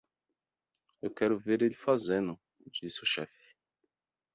"Eu quero ver ele fazendo?", disse o chefe.